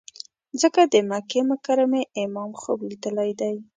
ځکه د مکې مکرمې امام خوب لیدلی دی.